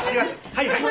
はいはい。